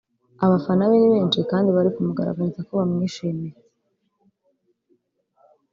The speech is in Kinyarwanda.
Abafana be ni benshi kandi bari kumugaragariza ko bamwishimiye